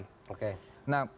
amdal begitu disusun akan dinilai